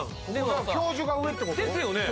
教授が上ってこと？ですよね？